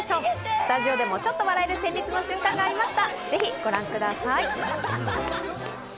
スタジオでもちょっと笑える戦慄の瞬間がありました。